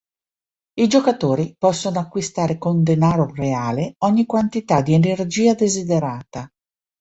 I giocatori possono acquistare con denaro reale ogni quantità di energia desiderata.